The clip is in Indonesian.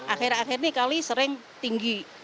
akhir akhir ini kali sering tinggi